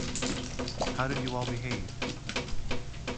How did you all behave?